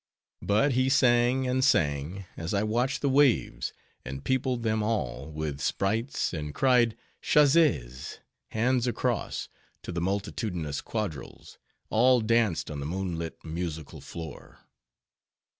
But he sang, and sang, as I watched the waves, and peopled them all with sprites, and cried "chassez!" "hands across!" to the multitudinous quadrilles, all danced on the moonlit, musical floor.